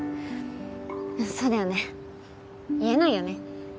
うんそうだよね言えないよね。